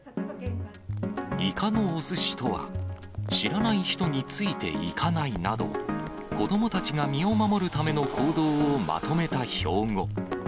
いかのおすしとは、知らない人についていかないなど、子どもたちが身を守るための行動をまとめた標語。